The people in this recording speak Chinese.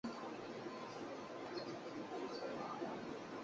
碲酸可由碲或二氧化碲被双氧水或三氧化铬氧化制备。